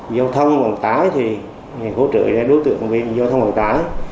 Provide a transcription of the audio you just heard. giao thông hoàn tả thì hỗ trợ đối tượng giao thông hoàn tả